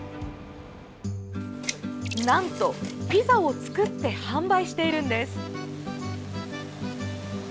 なんと、ピザを作って販売しているんです。